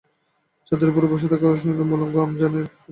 ছাদের ওপরে বসে-থাকা অসহায় মুলুঙ্গু আজানের শব্দ নিশ্চয়ই তার কানে গিয়েছে।